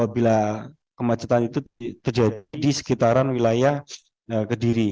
bila kemacetan itu terjadi di sekitaran wilayah ke diri